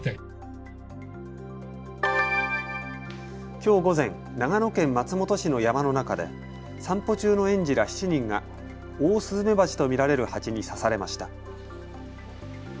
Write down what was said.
きょう午前、長野県松本市の山の中で散歩中の園児ら７人がオオスズメバチと見られるハチに刺されました。